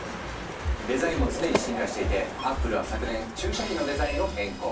デザインも常に進化していてアップルは昨年注射器のデザインを変更。